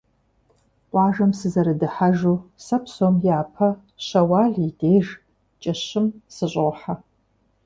Къуажэм сызэрыдыхьэжу сэ псом япэ Щэуал и деж, кӀыщым, сыщӀохьэ.